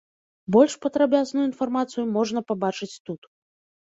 Больш падрабязную інфармацыю можна пабачыць тут.